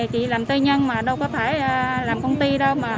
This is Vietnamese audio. thì người ta cho mình làm